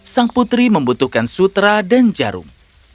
sang putri membutuhkan sutra dan jarum